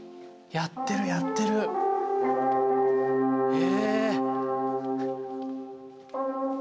やってるやってる！え！